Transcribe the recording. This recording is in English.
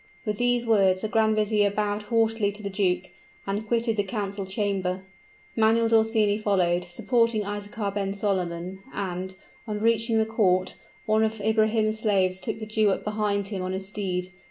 With these words the grand vizier bowed haughtily to the duke, and quitted the council chamber. Manuel d'Orsini followed, supporting Isaachar ben Solomon; and, on reaching the court, one of Ibrahim's slaves took the Jew up behind him on his steed.